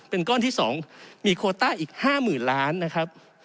เป็นก้อนที่๒มีโคต้าอีก๕๐๐๐ล้านนะครับ